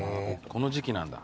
この時季なんだ。